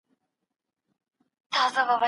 کېدای سي لوستل ستونزي ولري.